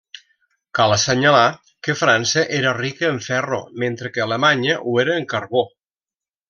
Cal assenyalar que França era rica en ferro mentre que Alemanya ho era en carbó.